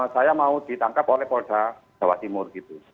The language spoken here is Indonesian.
saya mau ditangkap oleh polda jawa timur gitu